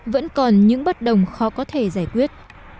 vẫn còn những bất đồng khó có thể giải quyết